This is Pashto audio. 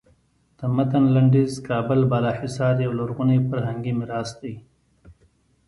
د متن لنډیز کابل بالا حصار یو لرغونی فرهنګي میراث دی.